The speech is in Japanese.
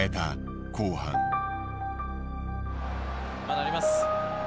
まだあります。